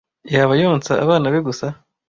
yaba yonsa abana be gusa